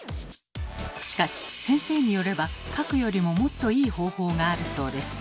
しかし先生によれば「かく」よりももっといい方法があるそうです。